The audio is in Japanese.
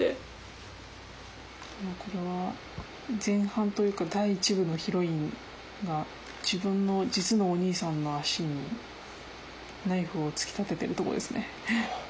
これは前半というか第１部のヒロインが自分の実のお兄さんの脚にナイフを突き立ててるとこですね。